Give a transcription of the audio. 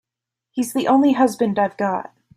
He's the only husband I've got.